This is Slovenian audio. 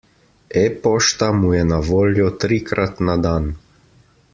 E-pošta mu je na voljo trikrat na dan.